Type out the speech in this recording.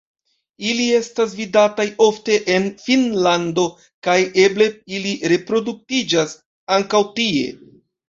Ili estas vidataj ofte en Finnlando kaj eble ili reproduktiĝas ankaŭ tie.